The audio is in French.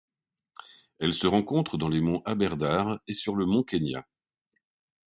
Elle se rencontre dans les monts Aberdare et sur le mont Kenya.